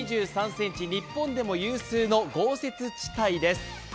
日本でも有数の豪雪地帯です。